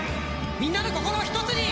みんなの心を一つに！